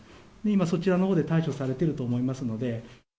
今、そちらのほうで対処されていると思いますので。